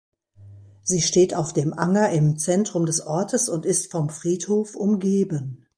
Sie steht auf dem Anger im Zentrum des Ortes und ist vom Friedhof umgeben.